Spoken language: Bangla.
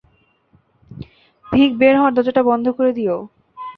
ভিক বের হওয়ার দরজাটা বন্ধ করে দিও।